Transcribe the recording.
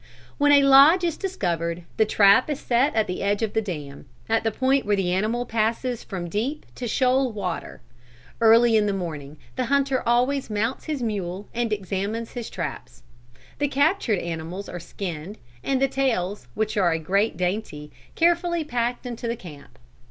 "When a 'lodge' is discovered the trap is set at the edge of the dam, at the point where the animal passes from deep to shoal water. Early in the morning the hunter always mounts his mule and examines the traps. The captured animals are skinned, and the tails, which are a great dainty, carefully packed into camp.